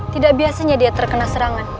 tidak biasanya dia terkena serangan